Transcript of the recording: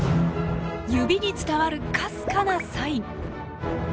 指に伝わるかすかなサイン。